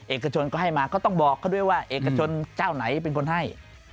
เอกชนก็ให้มาก็ต้องบอกเขาด้วยว่าเอกชนเจ้าไหนเป็นคนให้